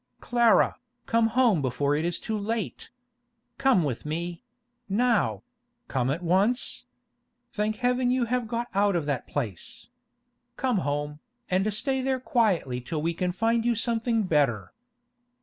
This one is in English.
'Clara, come home before it is too late! Come with me—now—come at once? Thank heaven you have got out of that place! Come home, and stay there quietly till we can find you something better.